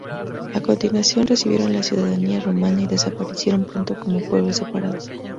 A continuación recibieron la ciudadanía romana y desaparecieron pronto como pueblo separado.